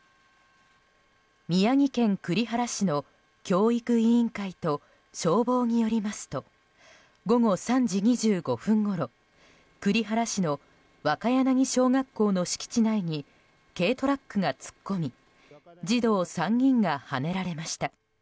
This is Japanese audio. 宮城県栗原市の教育委員会と消防によりますと午後３時２５分ごろ栗原市の若柳小学校の敷地内に軽トラックが突っ込み児童３人がはねられました。